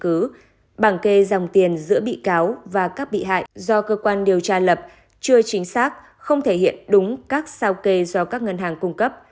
cũng theo luật sư bản kê dòng tiền giữa bị cáo và các bị hại do cơ quan điều tra lập chưa chính xác không thể hiện đúng các sao kê do các ngân hàng cung cấp